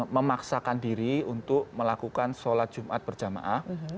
memaksakan diri untuk melakukan sholat jumat berjamaah